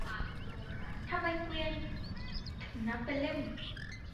ทำไมเกวียนถึงนับเป็นเล่ม